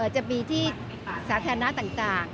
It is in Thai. จะมีที่สาธารณะต่าง